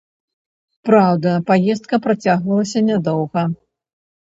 Праўда, паездка працягвалася нядоўга.